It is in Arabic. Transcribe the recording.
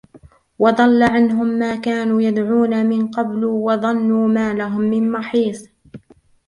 وَضَلَّ عَنْهُمْ مَا كَانُوا يَدْعُونَ مِنْ قَبْلُ وَظَنُّوا مَا لَهُمْ مِنْ مَحِيصٍ